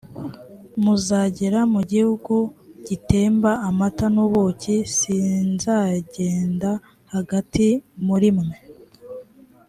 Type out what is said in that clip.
muzagera mu gihugu gitemba amata n’ubuki sinzagenda hagati muri mwe